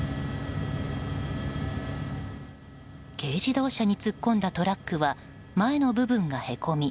軽自動車に突っ込んだトラックは前の部分がへこみ